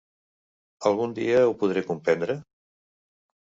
¿Algun dia ho podré comprendre?